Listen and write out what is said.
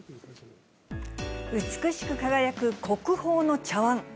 美しく輝く国宝の茶わん。